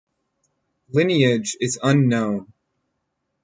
Lineage is unknown.